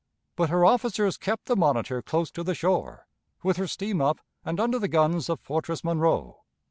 But her officers kept the Monitor close to the shore, with her steam up, and under the guns of Fortress Monroe.